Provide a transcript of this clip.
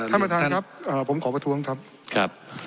ท่านประธานครับผมขอประท้วงครับครับ